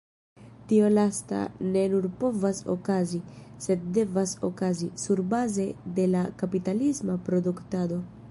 Tio lasta ne nur povas okazi, sed devas okazi, surbaze de la kapitalisma produktado.